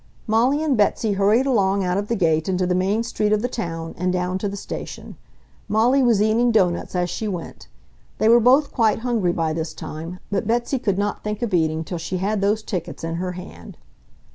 Molly and Betsy hurried along out of the gate into the main street of the town and down to the station. Molly was eating doughnuts as she went. They were both quite hungry by this time, but Betsy could not think of eating till she had those tickets in her hand.